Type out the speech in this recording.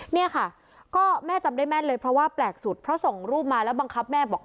เนี่ยค่ะก็แม่จำได้แม่นเลยเพราะว่าแปลกสุดเพราะส่งรูปมาแล้วบังคับแม่บอก